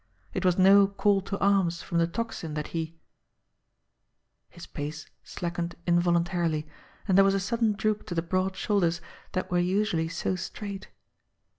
It was no "call to arms" from the Tocsin that he His pace slackened involuntarily, and there was a sudden droop to the broad shoulders that were usually so straight.